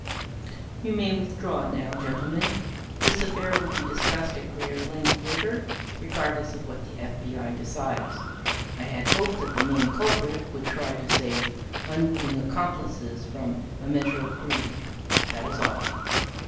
"You may withdraw now, gentlemen; this affair will be discussed at greater length later, regardless of what the FBI decides. I had hoped that the main culprit would try to save unwitting accomplices from a measure of grief. That is all."